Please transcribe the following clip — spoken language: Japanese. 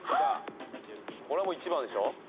これはもう１番でしょ。